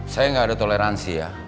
saya nggak ada toleransi ya